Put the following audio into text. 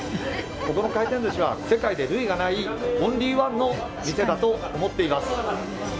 ここの回転ずしは世界で類がない、オンリー１の店だと思っています。